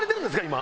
今。